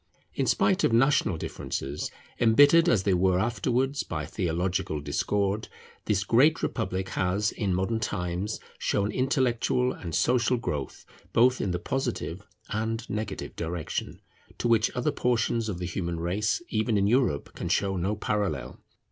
In spite of national differences, embittered as they were afterwards by theological discord, this great Republic has in modern times shown intellectual and social growth both in the positive and negative direction, to which other portions of the human race, even in Europe, can show no parallel.